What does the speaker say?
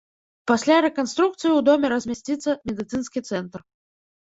Пасля рэканструкцыі ў доме размясціцца медыцынскі цэнтр.